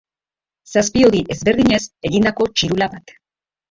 Zazpi hodi ezberdinez egindako txirula bat.